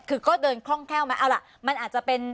คือก็เดินคล่องแคล่วไหมเอาล่ะมันอาจจะเป็น